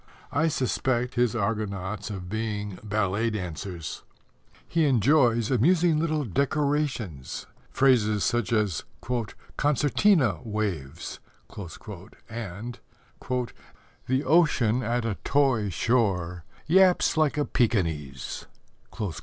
I suspect his Argonauts of being ballet dancers. He enjoys amusing little decorations phrases such as "concertina waves" and The ocean at a toy shore Yaps like a Pekinese.